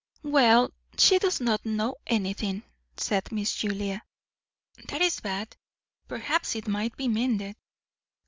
"Well, she does not know anything," said Miss Julia. "That is bad. Perhaps it might be mended."